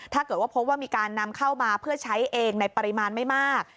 ถ้าเกิดว่าพบว่ามีการนำเข้ามาเพื่อใช้เองในปริมาณไม่มาก